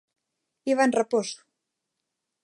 Iván Raposo.